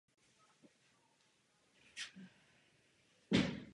Album bylo pro White Zombie hudební posun.